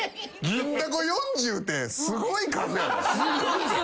銀だこ４０ってすごい数やで。